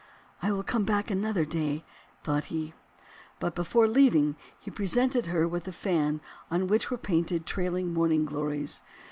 "I will come back another day," thought he. But before leaving, he presented her with the fan on which were painted trailing Morning Glories.